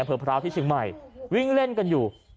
อำเภอพร้าวที่ชิงใหม่วิ่งเล่นกันอยู่